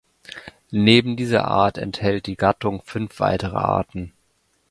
Neben dieser Art enthält die Gattung fünf weitere Arten.